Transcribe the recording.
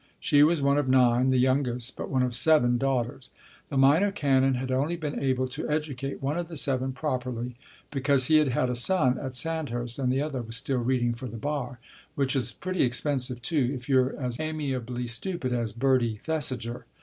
She was one of nine, the youngest but one of seven daughters. The Minor Canon had only been able to educate one of the seven properly, because he had had a son at Sandhurst, and the other was still reading for the Bar, which is pretty expensive too if you're as amiably stupid as Bertie Thesiger.